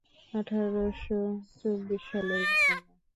আঠার শ চরিশ সালের ঘটনা।